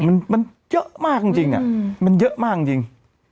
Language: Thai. มันเยอะมากจริง